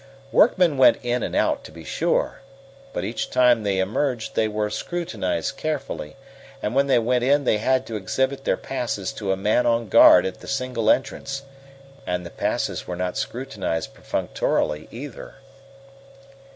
Workmen went in and out, to be sure, but each time they emerged they were scrutinized carefully, and when they went in they had to exhibit their passes to a man on guard at the single entrance; and the passes were not scrutinized perfunctorily, either.